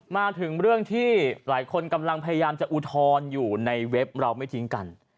มาถึงเรื่องที่หลายคนกำลังพยายามจะอุทธรณ์อยู่ในเว็บเราไม่ทิ้งกัน